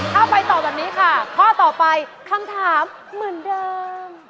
ถ้าไปต่อแบบนี้ค่ะข้อต่อไปคำถามเหมือนเดิม